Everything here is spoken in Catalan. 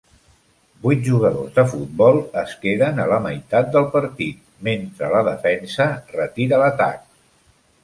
Vuit jugadors de futbol es queden a la meitat del partit mentre la defensa retira l'atac.